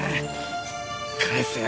返せよ。